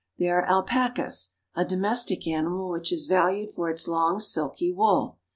They are alpacas, a domestic animal which is valued for its long, silky wool.